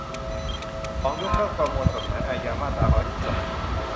สอง ยกเลิกประมวลกฎหมายอาญา มาตราร้อยสิบสอง